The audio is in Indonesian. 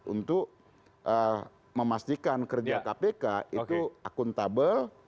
untuk memastikan kerja kpk itu akuntabel